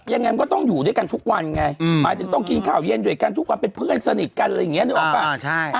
ยังไงมันก็ต้องอยู่ด้วยกันทุกวันไงหมายถึงต้องกินข้าวเย็นด้วยกันทุกวันเป็นเพื่อนสนิทกันอะไรอย่างนี้นึกออกป่ะ